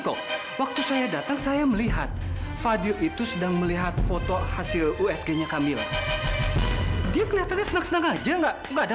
kok kok kamilanya gak ada